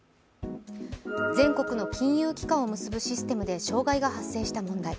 全国の金融機関を結ぶシステムで障害が発生した問題。